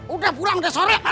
udah pulang udah sore mandi ah